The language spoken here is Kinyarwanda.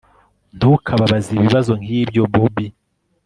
ntukabaze ibibazo nkibyo!? bobi